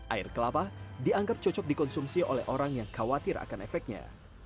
air kelapa dianggap cocok dikonsumsi oleh orang yang khawatir akan efeknya